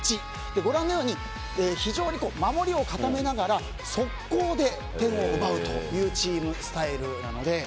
ご覧のように非常に守りを固めながら速攻で点を奪うというチームスタイルなので。